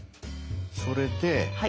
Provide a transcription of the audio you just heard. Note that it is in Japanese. それで。